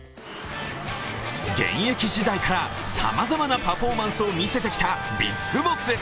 現役時代からさまざまなパフォーマンスを見せてきたビッグボス。